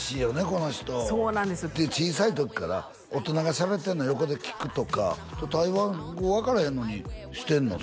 この人そうなんですよで小さい時から大人がしゃべってんの横で聞くとか台湾語分からへんのにしてんの？